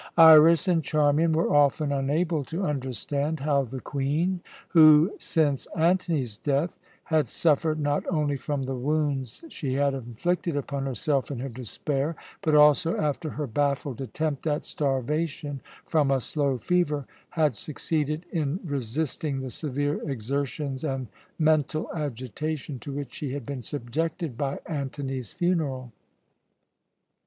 Iras and Charmian were often unable to understand how the Queen who, since Antony's death, had suffered not only from the wounds she had inflicted upon herself in her despair, but also after her baffled attempt at starvation from a slow fever had succeeded in resisting the severe exertions and mental agitation to which she had been subjected by Antony's funeral.